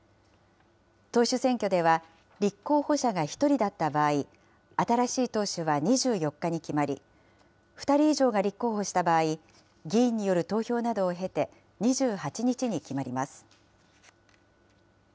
党首選挙では、立候補者が１人だった場合、新しい党首は２４日に決まり、２人以上が立候補した場合、議員による投票などを経て、２８日に決まります。